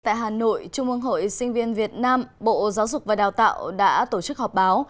tại hà nội trung ương hội sinh viên việt nam bộ giáo dục và đào tạo đã tổ chức họp báo